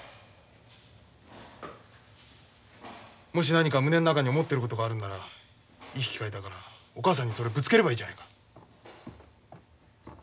もし何か胸の中に思ってることがあるんならいい機会だからお母さんにそれぶつければいいじゃないか。